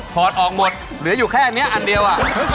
พอร์ตออกหมดเหลืออยู่แค่อันเนี่ยอันเดียว